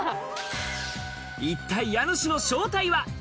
一体、家主の正体は？